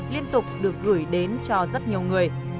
liên tục được gửi đến cho rất nhiều người